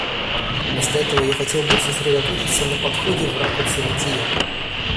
Вместо этого я хотел бы сосредоточиться на подходе в ракурсе бытия.